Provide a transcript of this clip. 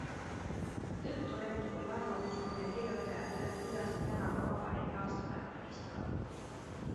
Õhtuleht uuris arvamusküljel kirjutajatelt, kuidas nad tänavu vabariigi aastapäeva tähistavad.